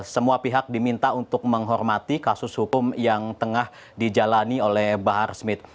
semua pihak diminta untuk menghormati kasus hukum yang tengah dijalani oleh bahar smith